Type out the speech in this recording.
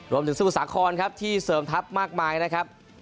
สมุทรสาครครับที่เสริมทัพมากมายนะครับ